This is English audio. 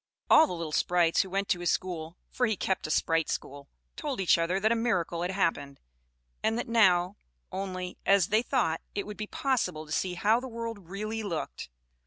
All the little sprites who went to his school for he kept a sprite school told each other that a miracle had happened; and that now only, as they thought, it would be possible to see how the world really looked.